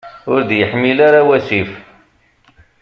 Ur d-yeḥmil ara wasif.